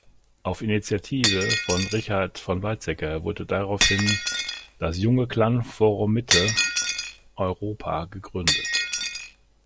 Auf Initiative von Richard von Weizsäcker wurde daraufhin das "Junge Klangforum Mitte Europa" gegründet.